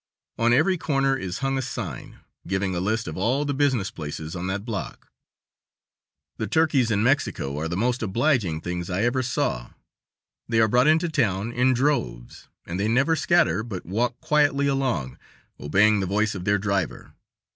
On every corner is hung a sign, giving a list of all the business places on that block. The turkeys in Mexico are the most obliging things I ever saw; they are brought into town in droves and they never scatter, but walk quietly along, obeying the voice of their driver.